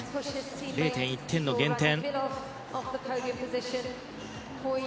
０．１の減点。